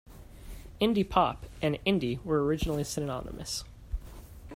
"Indie pop" and "indie" were originally synonymous.